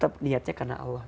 tetap niatnya karena allah